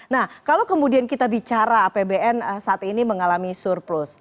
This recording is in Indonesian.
nah kalau kemudian kita bicara apbn saat ini mengalami surplus